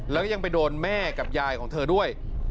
แล้วยังไปโดนแม่กับยายของเธอด้วย